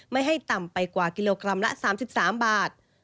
ไม่ให้ต่ำไปกว่ากิโลกรัมละ๓๓บาท